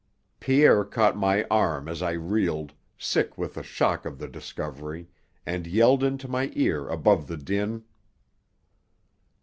Pierre caught my arm as I reeled, sick with the shock of the discovery, and yelled into my ear above the dim.